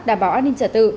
đảm bảo an ninh trả tự